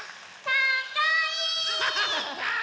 かっこいい！